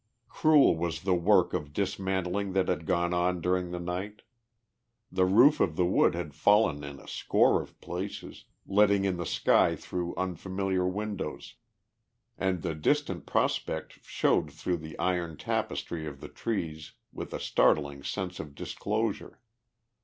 Cruel was the work of dismantling that had gone on during the night. The roof of the wood had fallen in in a score of places, letting in the sky through unfamiliar windows; and the distant prospect showed through the torn tapestry of the trees with a startling sense of disclosure.